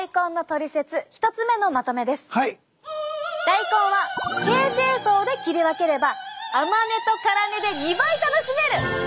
大根は形成層で切り分ければ甘根と辛根で２倍楽しめる！